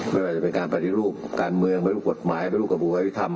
มีศาสตราจารย์พิเศษวิชามหาคุณเป็นประเทศด้านกรวมความวิทยาลัยธรม